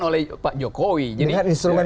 oleh pak jokowi dengan instrumen